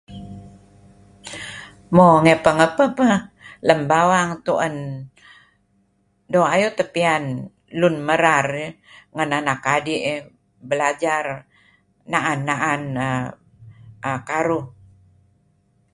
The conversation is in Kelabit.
Mo ngapeh-apeh peh lem bawang tuen doo' ayu' teh piyan lun merar ngen anak adi' dih belajar naan-naan uhm karuh.